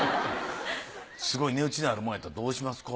すごい値打ちのあるものやったらどうしますか？